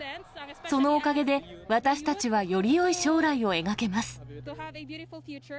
そのおかげで、私たちはよりよい将来を描けます。